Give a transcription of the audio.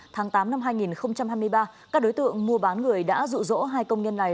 tháng tám năm hai nghìn hai mươi ba các đối tượng mua bán người đã rụ rỗ hai công nhân này